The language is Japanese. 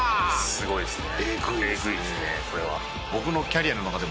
すごいですね。